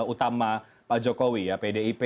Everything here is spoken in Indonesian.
utama pak jokowi ya pdip